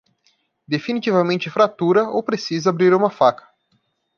Definitivamente fratura ou precisa abrir uma faca